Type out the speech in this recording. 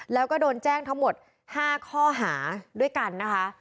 แล้วก็โดนแจ้งทั้งหมด๕ข้อหาด้วยกันนะคะ